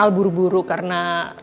al buru buru karena